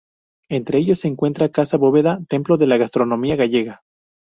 Entre ellos se encuentra Casa Bóveda, templo de la gastronomía gallega.